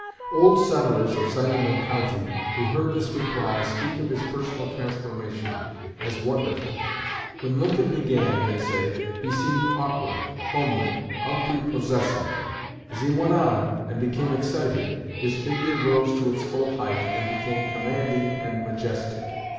Old settlers of Sangamon County who heard this reply speak of his personal transformation as wonderful. When Lincoln began, they say, he seemed awkward, homely, unprepossessing. As he went on, and became excited, his figure rose to its full height and became commanding and majestic.